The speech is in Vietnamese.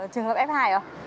trường hợp f hai hả